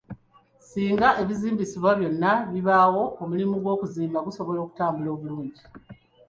Singa ebizimbisibwa byonna bibaawo, omulimu gw'okuzimba gusobola okutambula obulungi.